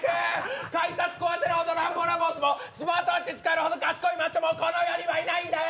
改札壊せるほど乱暴なぼうずもスマートウォッチ使えるほど賢いマッチョもこの世にはいないんだよ！